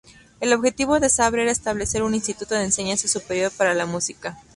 El objetivo de Sabra era establecer un instituto de enseñanza superior para la música.